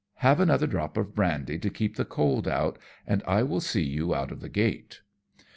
Have another drop of brandj' to keep the cold out, and I will see you out of the gate."